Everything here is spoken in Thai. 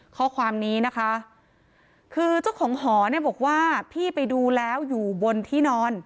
ข้อความนี้นะคะคือเจ้าของหอเนี่ยบอกว่าพี่ไปดูแล้วอยู่บนที่นอน